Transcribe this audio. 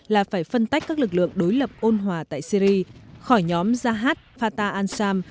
là phải phân tách các lực lượng đối lập ôn hòa tại syri khỏi nhóm zahat fata ansam